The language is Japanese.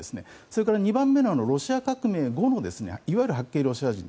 それから２番目のロシア革命後のいわゆる白系ロシア人